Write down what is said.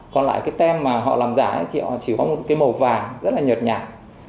còn lại cái tem mà họ làm giả thì họ chỉ có một cái màu vàng rất là nhợt nhạt